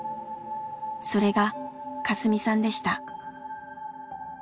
それがカスミさんでした。